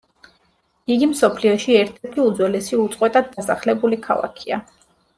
იგი მსოფლიოში ერთ-ერთი უძველესი უწყვეტად დასახლებული ქალაქია.